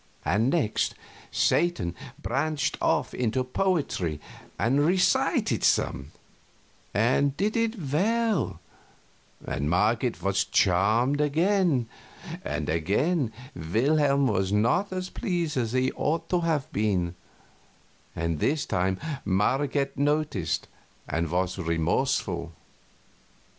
And next Satan branched off into poetry, and recited some, and did it well, and Marget was charmed again; and again Wilhelm was not as pleased as he ought to have been, and this time Marget noticed it and was remorseful.